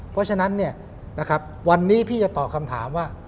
เพราะฉะนั้นวันนี้พี่จะตอบคำถามว่า